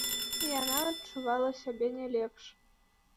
Яна адчувала сябе не лепш.